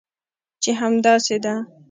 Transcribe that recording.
چې همداسې ده؟